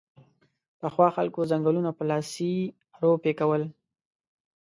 پخوا خلکو ځنګلونه په لاسي ارو پیکول